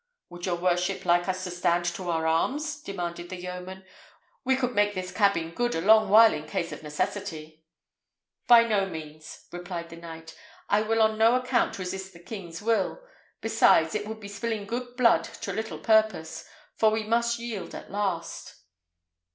"Would your worship like us to stand to our arms?" demanded the yeoman. "We could make this cabin good a long while in case of necessity." "By no means," replied the knight. "I will on no account resist the king's will. Besides, it would be spilling good blood to little purpose; for we must yield at last."